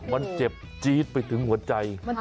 มันเจ็บจี๊ดไปถึงหัวใจ